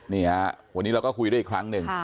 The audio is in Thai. นี่ฮะวันนี้เราก็คุยด้วยอีกครั้งหนึ่ง